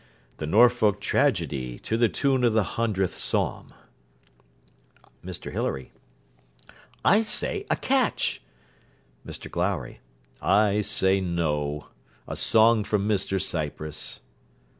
The Norfolk Tragedy to the tune of the Hundredth Psalm. MR HILARY I say a catch. MR GLOWRY I say no. A song from Mr Cypress.